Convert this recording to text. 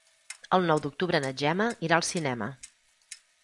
El nou d'octubre na Gemma irà al cinema.